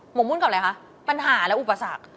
มุ่นกับอะไรคะปัญหาและอุปสรรค